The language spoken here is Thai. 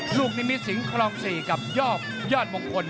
ลูกนิมิตสิงครอง๔กับยอดมงคล